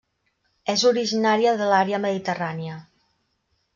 És originària de l'àrea mediterrània.